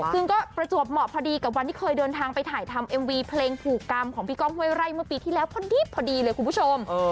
ซึ่งก็ประจวบเหมาะพอดีกับวันที่เคยเดินทางไปถ่ายทำเอ็มวีเพลงผูกกรรมของพี่ก้องห้วยไร่เมื่อปีที่แล้วพอดีเลยคุณผู้ชม